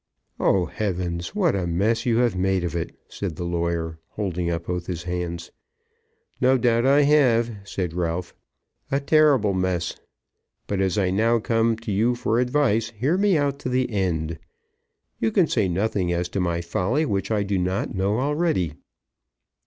"Oh, heavens, what a mess you have made of it!" said the lawyer, holding up both his hands. "No doubt I have," said Ralph, "a terrible mess! But as I now come to you for advice hear me out to the end. You can say nothing as to my folly which I do not know already."